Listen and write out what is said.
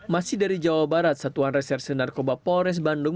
masih dari jawa barat satuan reserse narkoba polres bandung